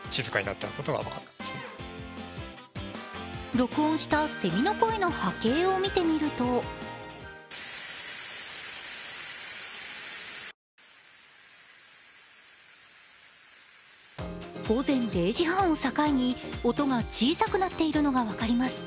録音したせみの声の波形を見てみると午前０時半を境に音が小さくなっているのが分かります。